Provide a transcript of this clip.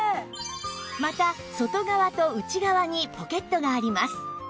また外側と内側にポケットがあります